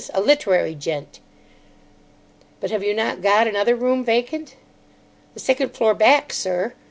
A literary gent." "But have you not another room vacant?" "The second floor back, sir.